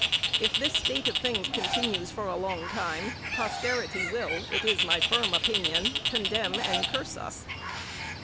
If this state of things continues for a long time, posterity will it is my firm opinion condemn and curse us.